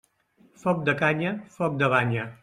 Foc de canya, foc de banya.